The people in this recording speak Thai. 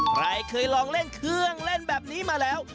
ใครเคยลองเล่นเครื่องเล่นแบบนี้มาแล้ว